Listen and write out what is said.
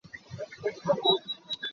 Kan i hmuh lonak a sau.